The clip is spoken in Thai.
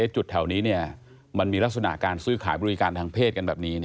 จุดแถวนี้มันมีลักษณะการซื้อขายบริการทางเพศกันแบบนี้